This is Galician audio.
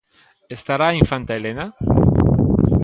Estará a Infanta Elena?